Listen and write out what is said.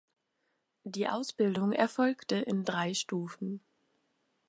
Die Ausbildung erfolgte in drei Stufen.